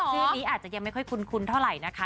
ชื่อนี้อาจจะยังไม่ค่อยคุ้นเท่าไหร่นะคะ